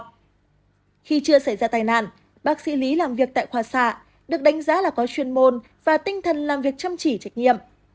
khi chưa xảy ra tai nạn bác sĩ lý làm việc tại khoa xạ được đánh giá là có chuyên môn và tinh thần làm việc chăm chỉ trách nhiệm